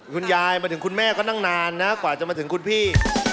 มาถึงคุณแม่ก็นั่งนานนะกว่าจะมาถึงคุณพี่